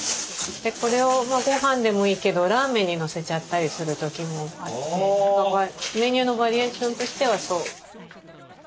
これをごはんでもいいけどラーメンにのせちゃったりする時もあってメニューのバリエーションとしてはそう。